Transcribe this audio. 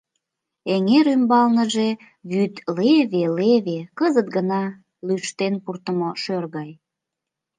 Эҥер ӱмбалныже вӱд леве-леве, кызыт гына лӱштен пуртымо шӧр гай.